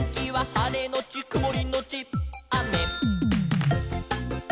「はれのちくもりのちあめ」